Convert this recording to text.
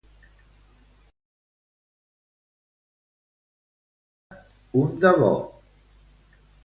I com es posa un quan en tasta un de bo?